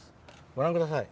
ご覧ください。